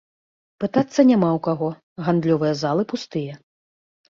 Пытацца няма ў каго, гандлёвыя залы пустыя.